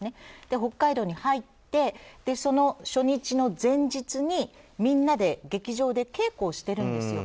北海道に入ってその初日の前日にみんなで劇場で稽古をしているんです。